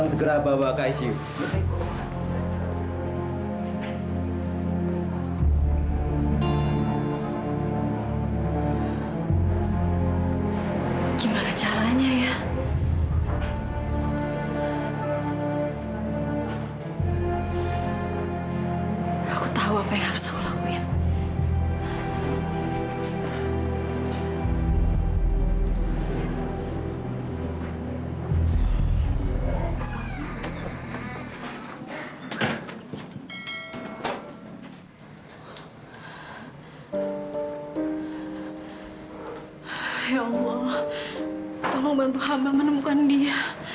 sampai jumpa di video selanjutnya